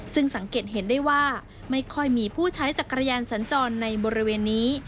ซึ่งสังเกตเห็นได้ว่าไม่ค่อยมีผู้ใช้จักรยานสัญจรในบริเวณนี้